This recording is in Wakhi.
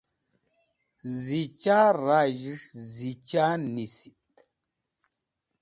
zicha razh'esh zicha nisit